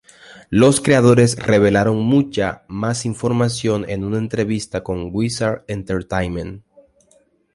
Los creadores revelaron mucha más información en una entrevista con Wizard Entertainment.